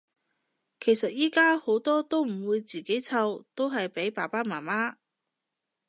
其實依家好多都唔會自己湊，都係俾爸爸媽媽